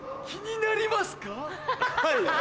気になりますか？